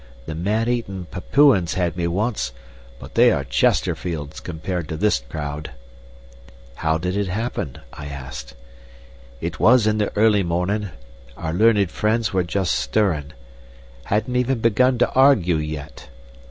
The man eatin' Papuans had me once, but they are Chesterfields compared to this crowd." "How did it happen?" I asked. "It was in the early mornin'. Our learned friends were just stirrin'. Hadn't even begun to argue yet.